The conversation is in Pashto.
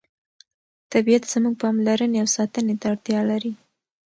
طبیعت زموږ پاملرنې او ساتنې ته اړتیا لري